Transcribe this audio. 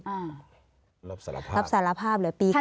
อ่ารับสารภาพรับสารภาพเหลือปีก่อน